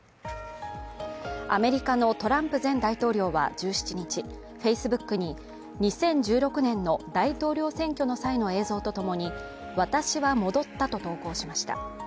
アメリカのトランプ前大統領は１７日、Ｆａｃｅｂｏｏｋに、２０１６年の大統領選挙の際の映像とともに私は戻った！と投稿しました。